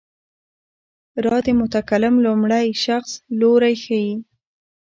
را د متکلم لومړی شخص لوری ښيي.